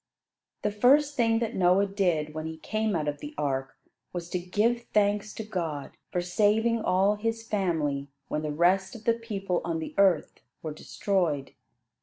The first thing that Noah did when he came out of the ark, was to give thanks to God for saving all his family when the rest of the people on the earth were destroyed.